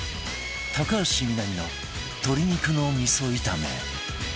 高橋みなみの鶏肉の味噌炒め